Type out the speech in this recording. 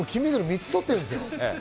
金メダル３つ取ってるんですよ。